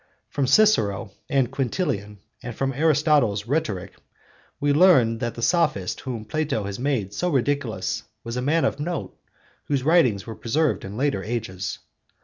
From Cicero and Quintilian and from Aristotle's Rhetoric we learn that the Sophist whom Plato has made so ridiculous was a man of note whose writings were preserved in later ages.